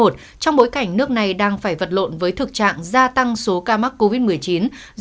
trong bối cảnh nước này đang phải vật lộn với thực trạng gia tăng số ca mắc covid một mươi chín